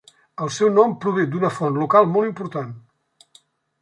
El seu nom prové d'una font local molt important.